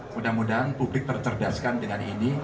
mudah mudahan publik tercerdaskan dengan ini